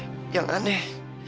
tapi yang aneh